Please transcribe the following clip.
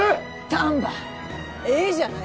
丹波えっ？じゃない。